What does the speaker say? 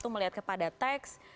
satu melihat kepada teks